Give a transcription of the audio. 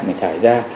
mình thải ra